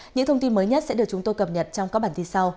những thông tin mới nhất sẽ được chúng tôi cập nhật trong các bản tin sau